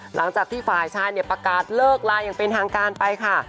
หลังจากที่ฝ่ายชายเนี่ยประกาศเลิกลาอย่างเป็นทางการไปค่ะ